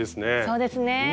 そうですね。